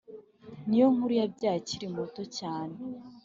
Niyonkuru yabyaye akiri muto cyane